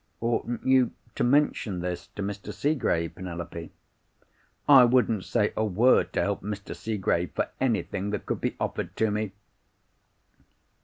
"'Oughtn't you to mention this to Mr. Seegrave, Penelope?' "'I wouldn't say a word to help Mr. Seegrave for anything that could be offered to me!